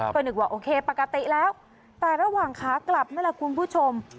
ก็นึกว่าโอเคปกติแล้วแต่ระหว่างขากลับนั่นแหละคุณผู้ชม